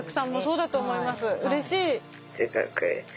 うれしい。